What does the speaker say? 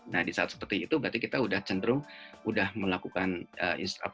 nah disaat seperti itu berarti kita udah cenderung udah melakukan penginjaman uang